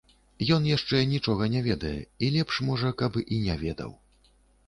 Ён яшчэ нічога не ведае, і лепш, можа, каб і не ведаў.